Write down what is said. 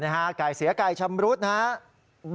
ไก่เสียไก่ชำรุดนะครับ